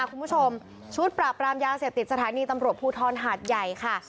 คุณผู้ชมชุดปราบรามยาเสพติดสถานีตำรวจภูทรหาดใหญ่ค่ะ